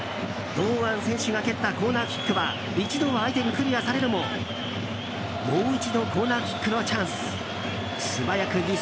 堂安選手が蹴ったコーナーキックは一度は相手にクリアされるももう一度コーナーキックのチャンス。